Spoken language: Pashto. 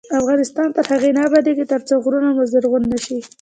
افغانستان تر هغو نه ابادیږي، ترڅو غرونه مو زرغون نشي.